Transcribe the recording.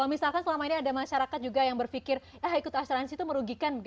kalau misalkan selama ini ada masyarakat juga yang berpikir ikut asuransi itu merugikan